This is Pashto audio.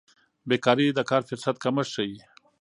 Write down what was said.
بیکاري د کار فرصت کمښت ښيي.